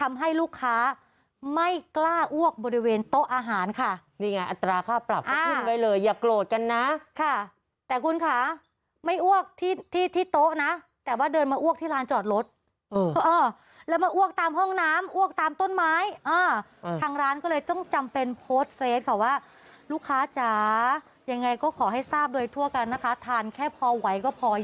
ลูกค้าไม่กล้าอ้วกบริเวณโต๊ะอาหารค่ะนี่ไงอัตราค่าปรับก็ขึ้นไว้เลยอย่าโกรธกันนะค่ะแต่คุณคะไม่อ้วกที่ที่โต๊ะนะแต่ว่าเดินมาอ้วกที่ร้านจอดรถแล้วมาอ้วกตามห้องน้ำอ้วกตามต้นไม้อ่าทางร้านก็เลยต้องจำเป็นโพสต์เฟสค่ะว่าลูกค้าจ๋ายังไงก็ขอให้ทราบโดยทั่วกันนะคะทานแค่พอไหวก็พอ